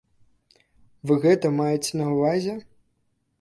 Вы гэта маеце на ўвазе?